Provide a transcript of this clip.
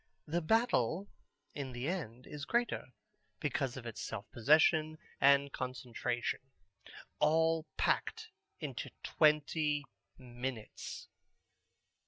The Battle in the end is greater, because of its self possession and concentration: all packed into twenty minutes.